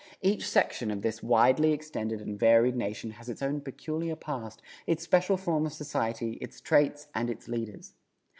Each section of this widely extended and varied nation has its own peculiar past, its special form of society, its traits and its leaders.